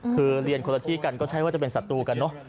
คือเรียนคนละที่กันก็ใช่ว่าจะเป็นศัตรูกันเนอะ